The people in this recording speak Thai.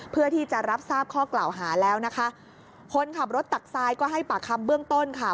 เพื่อที่จะรับทราบข้อกล่าวหาแล้วนะคะคนขับรถตักทรายก็ให้ปากคำเบื้องต้นค่ะ